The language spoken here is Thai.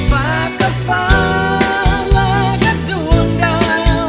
ฝากกับฝาและกับดวงดาว